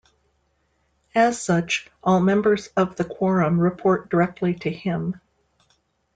As such, all members of the Quorum report directly to him.